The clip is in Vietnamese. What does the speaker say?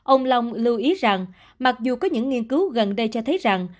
ông long lưu ý rằng mặc dù có những nghiên cứu gần đây cho thấy rằng